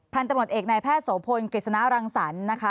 พันธมติเอกในแพทย์โสพลกฤษณารังสรรค์